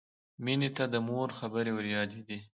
مینې ته د مور خبرې وریادېدې